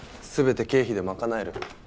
全て経費で賄える。